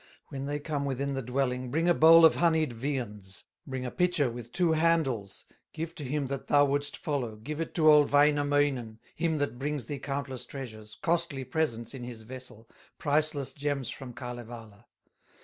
When they come within the dwelling, Bring a bowl of honeyed viands, Bring a pitcher with two handles, Give to him that thou wouldst follow; Give it to old Wainamoinen, Him that brings thee countless treasures, Costly presents in his vessel, Priceless gems from Kalevala."